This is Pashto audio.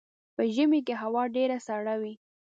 په ژمي کې هوا ډیره سړه وي